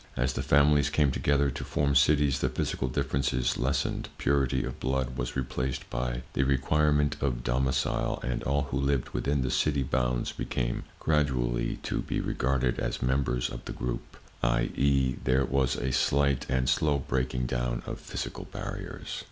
As the families came together to form cities the physical differences lessened, purity of blood was replaced by the requirement of domicile, and all who lived within the city bounds became gradually to be regarded as members of the group; i. e., there was a slight and slow breaking down of physical barriers.